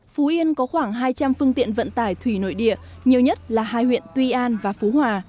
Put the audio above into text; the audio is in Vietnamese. phú yên có khoảng hai trăm linh phương tiện vận tải thủy nội địa nhiều nhất là hai huyện tuy an và phú hòa